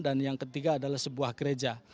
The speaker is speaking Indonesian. dan yang ketiga adalah sebuah gereja